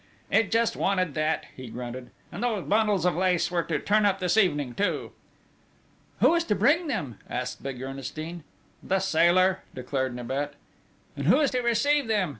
"It just wanted that!" he grunted: "And those bundles of lace were to turn up this evening too!" "Who is to bring them?" asked big Ernestine. "The Sailor," declared Nibet. "And who is to receive them?"